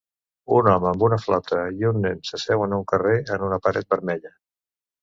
Un home amb una flauta i un nen s'asseuen a un carrer en una paret vermella.